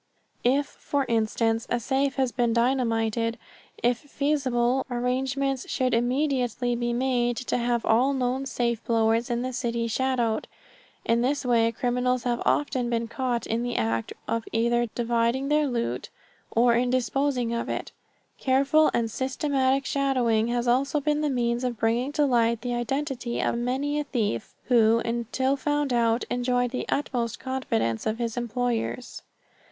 If for instance a safe has been dynamited, if feasible, arrangements should immediately be made to have all known safe blowers in the city shadowed. In this way criminals have often been caught in the act of either dividing their loot, or in disposing of it. Careful and systematic shadowing has also been the means of bringing to light the identity of many a thief who, until found out, enjoyed the utmost confidence of his employers.